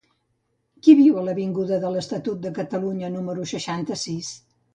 Qui viu a l'avinguda de l'Estatut de Catalunya número seixanta-sis?